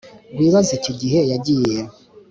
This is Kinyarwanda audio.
wibaze iki gihe yagiye